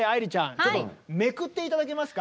ちょっとめくって頂けますか。